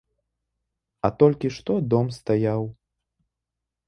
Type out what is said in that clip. А толькі што дом стаяў.